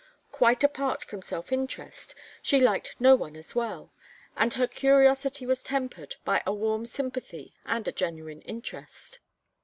Quite apart from self interest, she liked no one as well, and her curiosity was tempered by a warm sympathy and a genuine interest.